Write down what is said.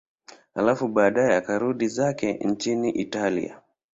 Halafu baadaye akarudi zake nchini Italia.